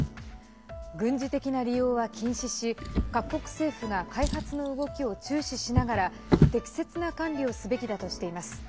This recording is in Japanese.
軍事的な利用は禁止し各国政府が開発の動きを注視しながら適切な管理をすべきだとしています。